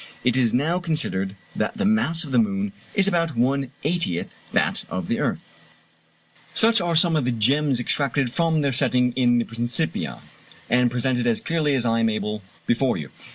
It is now considered that the mass of the moon is about one eightieth that of the earth. Such are some of the gems extracted from their setting in the Principia, and presented as clearly as I am able before you.